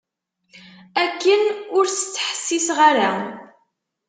Akken ur s-ttḥessiseɣ ara.